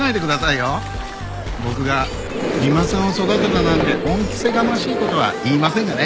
僕が三馬さんを育てたなんて恩着せがましい事は言いませんがね。